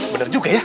bener juga ya